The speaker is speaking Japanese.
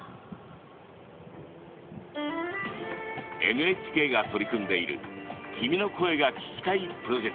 ＮＨＫが取り組んでいる「君の声が聴きたい」プロジェクト。